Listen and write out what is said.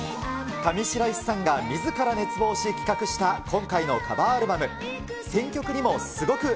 上白石さんがみずから熱望し企画した今回のカバーアルバム。